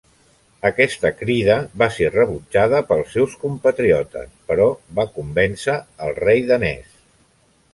Aquesta crida va ser rebutjada pels seus compatriotes, però va convèncer el rei danès.